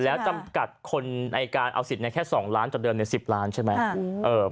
แล้วจำกัดคนในการเอาสิทธิ์แค่๒ล้านจากเดิม๑๐ล้านใช่ไหม